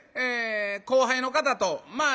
後輩の方とまあ